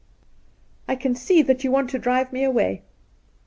' I can see that you want to drive me away.'